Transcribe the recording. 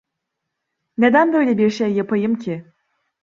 Neden böyle bir şey yapayım ki?